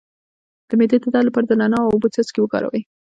د معدې د درد لپاره د نعناع او اوبو څاڅکي وکاروئ